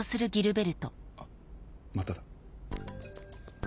あっまただ。